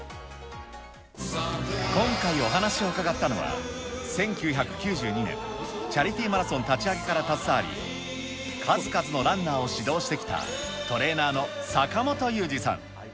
今回、お話を伺ったのは、１９９２年、チャリティーマラソン立ち上げから携わり、数々のランナーを指導してきたトレーナーの坂本雄次さん。